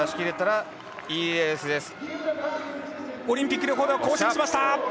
オリンピックレコード更新しました！